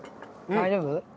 大丈夫？